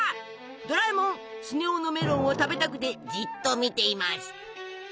ドラえもんスネ夫のメロンを食べたくてじっと見ています。